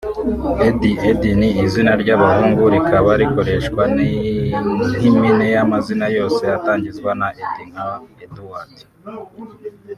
Eddie/Eddy ni izina ry’abahungu rikaba rikoreshwa nk’impine y’amazina yose atangizwa na Ed… nka Eduard